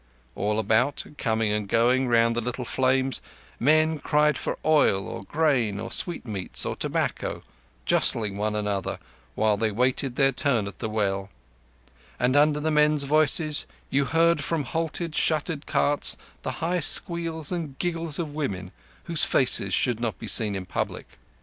All about, coming and going round the little flames, men cried for oil, or grain, or sweetmeats, or tobacco, jostling one another while they waited their turn at the well; and under the men's voices you heard from halted, shuttered carts the high squeals and giggles of women whose faces should not be seen in public.